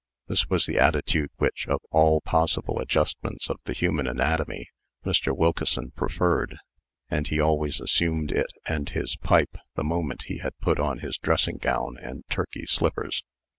This was the attitude which, of all possible adjustments of the human anatomy, Mr. Wilkeson preferred; and he always assumed it and his pipe the moment he had put on his dressing gown and Turkey slippers.